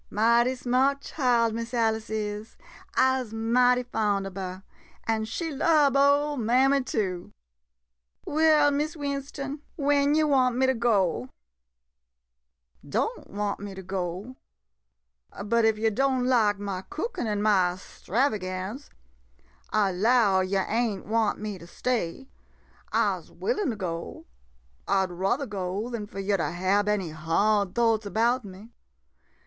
~\ Mighty smart child, Miss Alice is — I 'se mighty fond ob her — an' she lub ole mammy too. Well, Miss Winston, when yo' want me to go? Don' want me to go? But if yo* don' lak ma cookin' an' ma 'stravagance — I 'low yo' ain't want me to stay. I 'se willin' to go — I 'd ruther go dan fo' yo' to hab any hard thoughts about me.